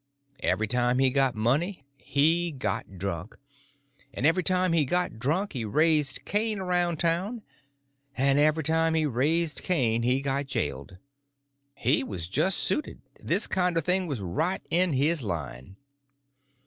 Every time he got money he got drunk; and every time he got drunk he raised Cain around town; and every time he raised Cain he got jailed. He was just suited—this kind of thing was right in his line.